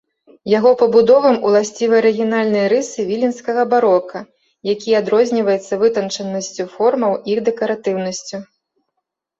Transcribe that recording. Яго пабудовам уласцівы арыгінальныя рысы віленскага барока, які адрозніваецца вытанчанасцю формаў і дэкаратыўнасцю.